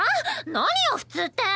何よ普通って！